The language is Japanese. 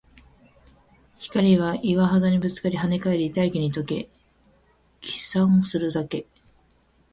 光は岩肌にぶつかり、跳ね返り、大気に溶け、霧散するだけ